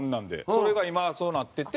それが今そうなってて。